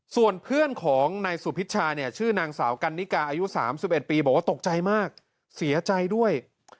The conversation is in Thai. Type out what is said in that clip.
ส่วนเพื่อนของนายสุพิชชาเนี่ยชื่อนางสาวกันนิกาอายุ๓๑ปีบอกว่าตกใจมากเสียใจด้วย